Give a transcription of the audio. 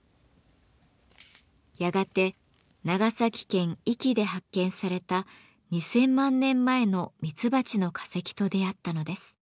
やがて長崎県壱岐で発見された２，０００万年前のミツバチの化石と出会ったのです。